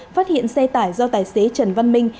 phát hiện xe tải do tài xế trần văn minh